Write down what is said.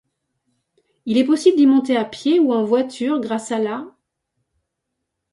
Il est possible d'y monter à pied ou en voiture grâce à la '.